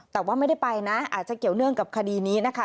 แต่ว่าไม่ได้ไปนะอาจจะเกี่ยวเนื่องกับคดีนี้นะคะ